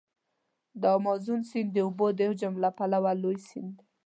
د امازون سیند د اوبو د حجم له پلوه لوی سیند دی.